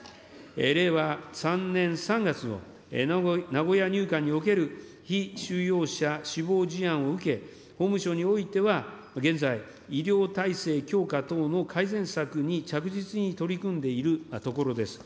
令和３年３月の名古屋入管における被収容者死亡事案を受けて、法務省においては、現在、医療体制強化等の改善策に着実に取り組んでいるところです。